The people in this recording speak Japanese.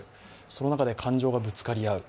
その中で感情がぶつかり合う。